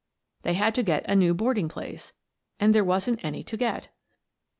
They had to get a new boarding place, and there wasn't any to get!